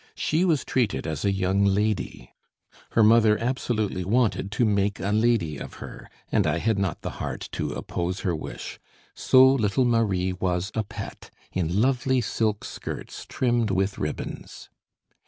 She was treated as a young lady; her mother absolutely wanted to make a lady of her, and I had not the heart to oppose her wish, so little Marie was a pet, in lovely silk skirts trimmed with ribbons.